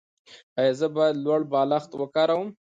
ایا زه باید لوړ بالښت وکاروم؟